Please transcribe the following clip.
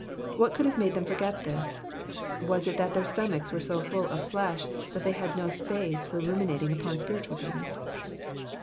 What could have made them forget this ? Was is that their stomachs were so full of flesh that they had no space for ruminating upon spiritual things